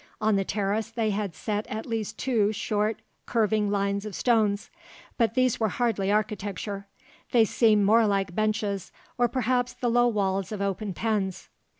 On the terrace, they had set at least two short curving lines of stones; but these were hardly architecture; they seem more like benches or perhaps the low walls of open pens.